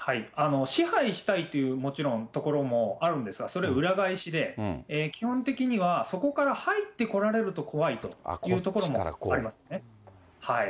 支配したいという、もちろんところもあるんですが、それ裏返しで、基本的には、そこから入ってこられると怖いというところもありますね。